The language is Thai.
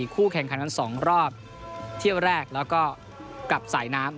คู่แข่งขันกัน๒รอบเที่ยวแรกแล้วก็กลับสายน้ำ